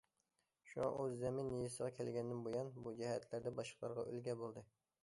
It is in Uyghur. شۇڭا ئۇ زەمىن يېزىسىغا كەلگەندىن بۇيان، بۇ جەھەتلەردە باشقىلارغا ئۈلگە بولدى.